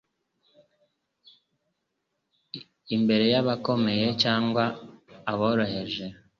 imbere y'abakomeye cyangwa aboroheje.